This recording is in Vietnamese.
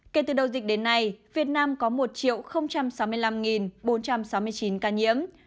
kể từ đầu dịch đến nay việt nam có một sáu mươi năm bốn trăm sáu mươi chín ca nhiễm